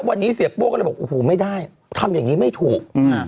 แล้วหัวนี้เสียโป้มั่วเขาก็เลยบอกอู้หู่ไม่ได้ทำอย่างงี้ไม่ถูก